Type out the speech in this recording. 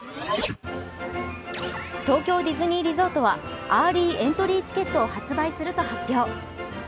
東京ディズニーリゾートはアーリーエントリーチケットを発売すると発表。